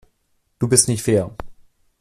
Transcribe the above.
Du bist nicht fair.